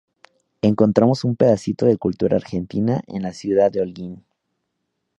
Encontramos un pedacito de la cultura argentina en la ciudad de Holguín.